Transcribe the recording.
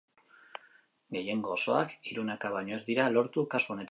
Gehiengo osoak hirunaka baino ezin dira lortu kasu honetan.